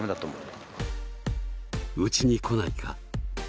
「うちに来ないか？」